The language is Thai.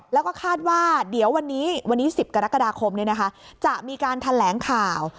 แล้วก็คาดว่าเดี๋ยววันนี้วันนี้๑๐กรกฎาคมจะมีการแถลงข่าว